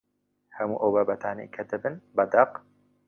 هەموو ئەو بابەتانەی کە دەبن بە دەق